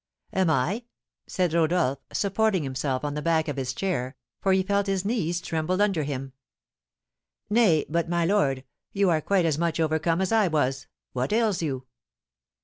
"Am I?" said Rodolph, supporting himself on the back of his chair, for he felt his knees tremble under him. "Nay, but, my lord, you are quite as much overcome as I was. What ails you?"